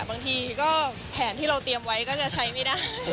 บางทีก็แผนที่เราเตรียมไว้ก็จะใช้ไม่ได้